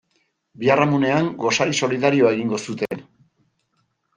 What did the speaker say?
Biharamunean gosari solidarioa egingo zuten.